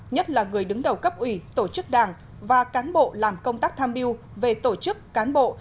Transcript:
nhất là người đứng đầu cấp ủy tổ chức đảng và cán bộ làm công tác tham biêu về tổ chức cán bộ